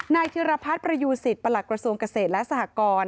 ธิรพัฒน์ประยูสิตประหลักกระทรวงเกษตรและสหกร